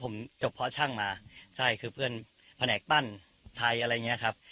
ผมจบเพราะช่างมาใช่คือเพื่อนแผนกปั้นไทยอะไรอย่างนี้ครับ